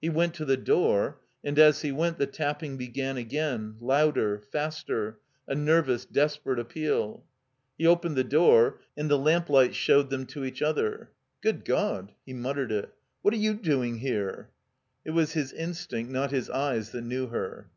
He went to the door; and as he went the tapping b^;an again, louder, faster, a nervous, desperate appeal He opened the door, and the lamplight showed them to each other. ••Good God!" He muttered it. ''What are you doing here?" It was his instinct, not his eyes that knew her.